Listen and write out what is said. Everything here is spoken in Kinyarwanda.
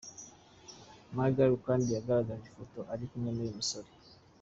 Magaly kandi yagaragaje ifoto ari kumwe n’uyu musore